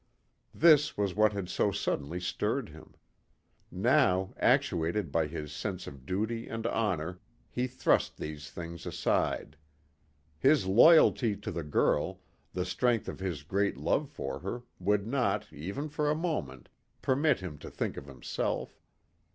This was what had so suddenly stirred him. Now, actuated by his sense of duty and honor, he thrust these things aside. His loyalty to the girl, the strength of his great love for her, would not, even for a moment, permit him to think of himself.